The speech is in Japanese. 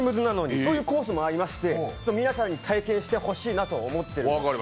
そういうコースもありまして皆さんに体験してほしいなと思っているんです。